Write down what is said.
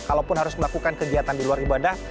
kalaupun harus melakukan kegiatan di luar ibadah